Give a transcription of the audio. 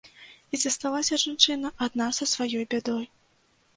І засталася жанчына адна са сваёй бядой.